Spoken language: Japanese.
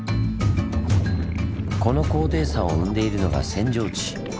この高低差を生んでいるのが扇状地。